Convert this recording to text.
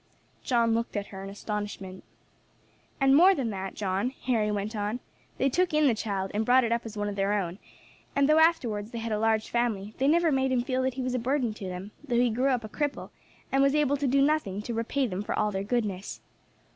John looked at her in astonishment. "And more than that, John," Harry went on, "they took in the child, and brought it up as one of their own; and though afterwards they had a large family, they never made him feel that he was a burden to them, though he grew up a cripple, and was able to do nothing to repay them for all their goodness.